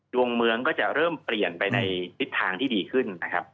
ดวงเมืองก็จะเริ่มเปลี่ยนไปในทิศทางที่ดีขึ้นนะครับ